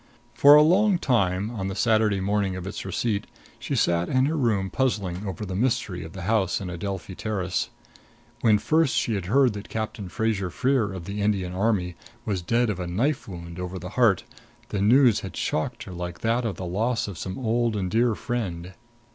For a long time, on the Saturday morning of its receipt, she sat in her room puzzling over the mystery of the house in Adelphi Terrace. When first she had heard that Captain Fraser Freer, of the Indian Army, was dead of a knife wound over the heart, the news had shocked her like that of the loss of some old and dear friend.